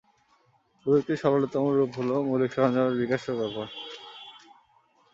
প্রযুক্তির সরলতম রূপ হল মৌলিক সরঞ্জামের বিকাশ ও ব্যবহার।